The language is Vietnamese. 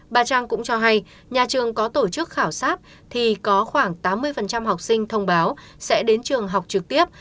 bà trang cũng cho hay nhà trường có tổ chức khảo sát thì có khoảng tám mươi học sinh thông báo sẽ đến trường học trực tiếp